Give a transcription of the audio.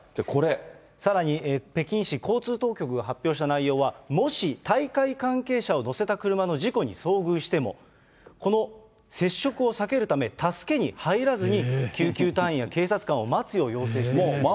さらに、北京市交通当局が発表した内容は、もし大会関係者を乗せた車の事故に遭遇しても、この接触を避けるため、助けに入らずに、救急隊員や警察官を待つよう要請していると。